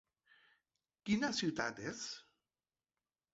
Quina ciutat és?